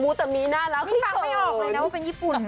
แต่มีน่ารักนี่ฟังไม่ออกเลยนะว่าเป็นญี่ปุ่นนะ